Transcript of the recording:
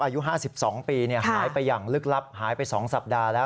อายุห้าสิบสองปีหายไปอย่างลึกลับหายไปสองสัปดาห์แล้ว